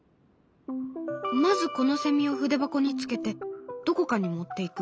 まずこのセミを筆箱につけてどこかに持っていく。